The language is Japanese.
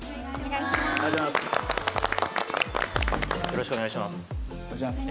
よろしくお願いします。